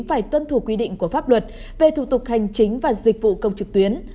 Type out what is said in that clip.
phải tuân thủ quy định của pháp luật về thủ tục hành chính và dịch vụ công trực tuyến